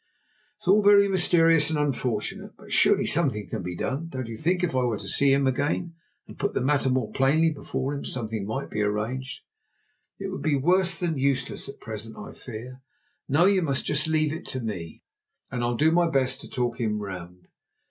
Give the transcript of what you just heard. "It's all very mysterious and unfortunate. But surely something can be done? Don't you think if I were to see him again, and put the matter more plainly before him, something might be arranged?" "It would be worse than useless at present, I fear. No, you must just leave it to me, and I'll do my best to talk him round.